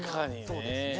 そうですね